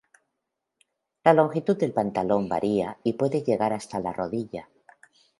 La longitud del pantalón varía y puede llegar hasta la rodilla.